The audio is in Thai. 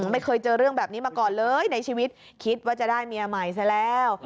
ไม่เคยเจอเรื่องแบบนี้มาก่อนเลยในชีวิตคิดว่าจะได้เมียใหม่ซะแล้ว